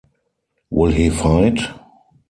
Will he fight?